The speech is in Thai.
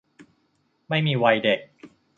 ไม่มีวัยเด็ก